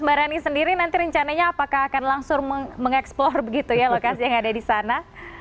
mbak rani sendiri nanti rencananya apakah akan langsung mengeksplor begitu ya lokasi yang ada di sana